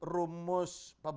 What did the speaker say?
rumus pembangunan desa